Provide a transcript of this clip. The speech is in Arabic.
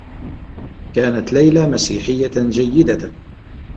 كانت ليلى مسيحيّة جيّدة.